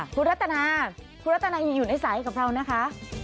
คุณรัตนาคุณรัตนายังอยู่ในสายกับเรานะคะ